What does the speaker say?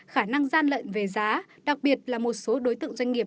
khả năng gian lận về giá đặc biệt là một số đối tượng doanh nghiệp